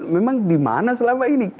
memang di mana selama ini